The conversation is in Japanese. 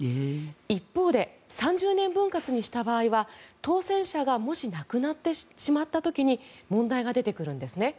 一方で３０年分割にした場合は当選者がもし亡くなってしまった時に問題が出てくるんですね。